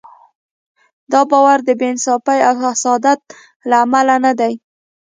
دا باور د بې انصافۍ او حسادت له امله نه دی.